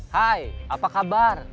hai apa kabar